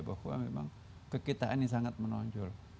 bahwa memang kekitaan ini sangat menonjol